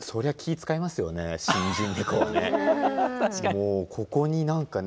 もうここになんかね